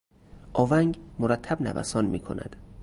آونگ مرتب نوسان میکند.